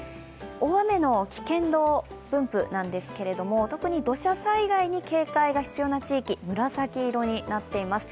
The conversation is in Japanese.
大雨の危険度分布ですが特に、土砂災害に警戒が必要な地域紫色になっています。